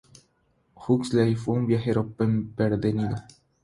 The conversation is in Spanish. Huxley fue un viajero empedernido.